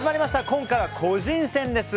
今回は個人戦です。